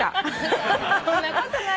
そんなことないよ。